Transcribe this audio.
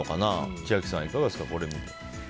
千秋さん、いかがですか。